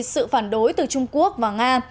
sự phản đối từ trung quốc và nga